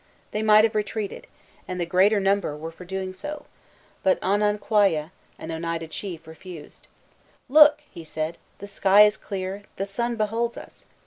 They might have retreated, and the greater number were for doing so; but Ononkwaya, an Oneida chief, refused. "Look!" he said, "the sky is clear; the Sun beholds us.